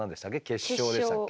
結晶でしたっけ？